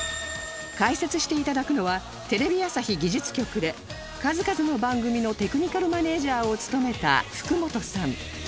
解説して頂くのはテレビ朝日技術局で数々の番組のテクニカルマネージャーを務めた福元さん